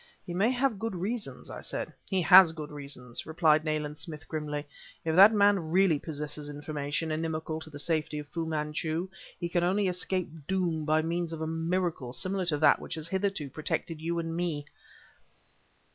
"He may have good reasons," I said. "He has good reasons!" replied Nayland Smith grimly; "if that man really possesses information inimical to the safety of Fu Manchu, he can only escape doom by means of a miracle similar to that which has hitherto protected you and me."